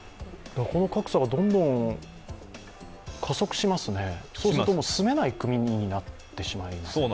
この格差がどんどん加速しますね、そうすると住めない国になってしまいますね。